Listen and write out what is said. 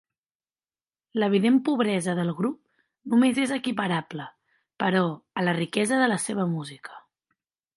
L'evident pobresa del grup només és equiparable, però, a la riquesa de la seva música.